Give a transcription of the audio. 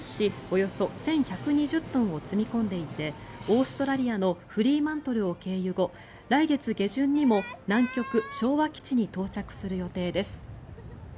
およそ１１２０トンを積み込んでいてオーストラリアのフリーマントルを経由後来月下旬にも南極・昭和基地に到着する予定です。